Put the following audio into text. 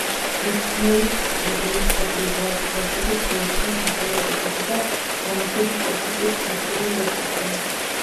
მეცნიერის ინიციატივით და თაოსნობით შეიქმნა ავტომატიკისა და გამოთვლითი ტექნიკის ქართული ლექსიკონი.